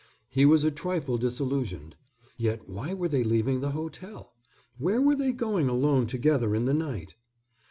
He was a trifle disillusioned. "Yet, why were they leaving the hotel? Where were they going alone together in the night?"